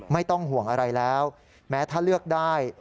ไม่ต้องห่วงอะไรแล้วแม้ถ้าเลือกได้